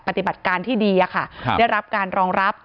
ปฏิบัติการที่ดีได้รับการรองรับ